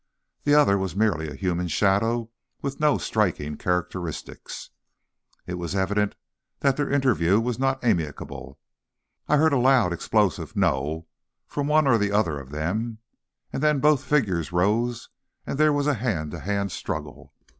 The other was merely a human shadow with no striking characteristics. It was evident their interview was not amicable. I heard a loud, explosive "No!" from one or other of them, and then both figures rose and there was a hand to hand struggle.